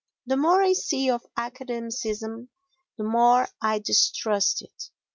The more I see of academicism the more I distrust it.